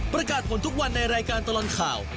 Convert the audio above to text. ประกาศผลทุกวันในรายการตลอดข่าว